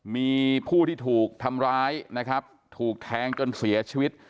มีผู้ที่ถูกทำร้ายนะครับถูกแทงจนเสียชีวิต